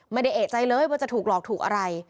ไม่ได้เอกใจเลยว่าจะถูกหลอกถูกอะไร